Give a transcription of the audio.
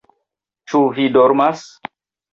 Ĉu vi dormas?